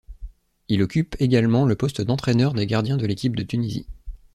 Il occupe également le poste d'entraîneur des gardiens de l'équipe de Tunisie.